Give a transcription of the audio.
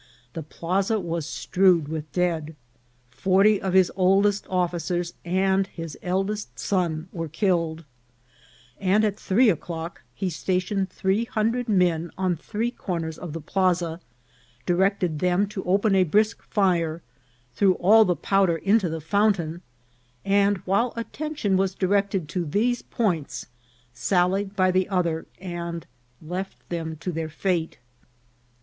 The plaza was strewed with dead. Forty of his oldest officers and his eldest son were killed; and at three o'clock he stationed three hundred men at three corners of the plaza, directed them to open a brisk fire, threw all the powder into the fountain, and while attention was directed to these points, sallied by the other and left them to their fate. VOL. II.— P 114 INCIDENTS OF TRAVEL.